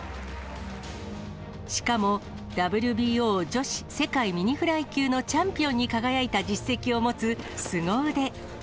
しかも、ＷＢＯ女子世界ミニフライ級のチャンピオンに輝いた実績を持つ、すご腕。